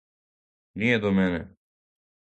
Није до мене!